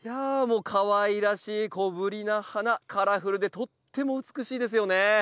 もうかわいらしい小ぶりな花カラフルでとっても美しいですよね。